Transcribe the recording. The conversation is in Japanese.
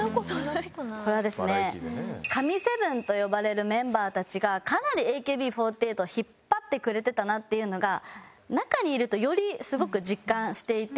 これはですね神７と呼ばれるメンバーたちがかなりＡＫＢ４８を引っ張ってくれてたなっていうのが中にいるとよりすごく実感していて。